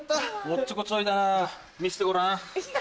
おっちょこちょいだな見せてごらん。